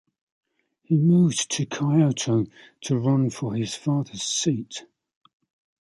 He moved to Kyoto to run for his father's seat.